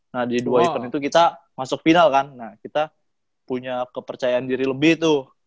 nah di dua event itu kita masuk final kan nah kita punya kepercayaan diri lebih tuh